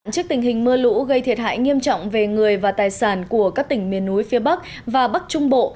trước tình hình mưa lũ gây thiệt hại nghiêm trọng về người và tài sản của các tỉnh miền núi phía bắc và bắc trung bộ